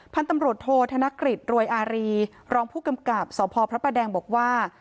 พันธุ์ตำรวจโทษธนกฤษรวยอารีรองผู้กำกับสพพระประแดงบอกว่า